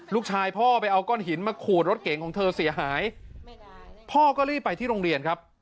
พ่อไปเอาก้อนหินมาขูดรถเก๋งของเธอเสียหายพ่อก็รีบไปที่โรงเรียนครับ